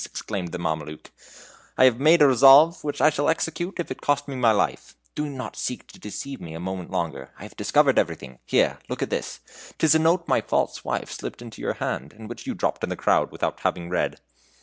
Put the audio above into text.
exclaimed the Mameluke, "I have made a resolve which I shall execute if it cost me my life. Do not seek to deceive me a moment longer. I have discovered everything. Here! look at this! 'tis a note my false wife slipped into your hand, and which you dropped in the crowd, without having read."